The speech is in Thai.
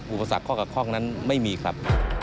อุปสรรคข้อกับข้องนั้นไม่มีครับ